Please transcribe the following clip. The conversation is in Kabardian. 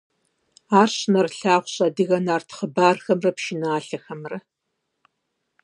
Ар щынэрылъагъущ адыгэ нарт хъыбархэмрэ пшыналъэхэмрэ.